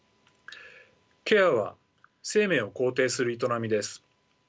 ケアは生命を肯定する営みです。